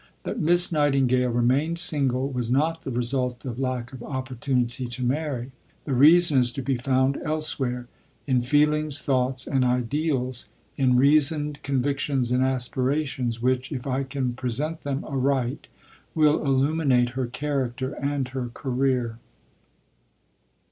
That Miss Nightingale remained single was not the result of lack of opportunity to marry. The reason is to be found elsewhere in feelings, thoughts, and ideals, in reasoned convictions and aspirations, which, if I can present them aright, will illuminate her character and her career.